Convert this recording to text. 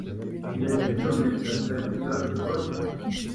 Il a été nommé d'après le fleuve Volga.